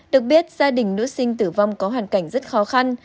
được biết gia đình nữ sinh tử vong có hoàn cảnh rất khó khăn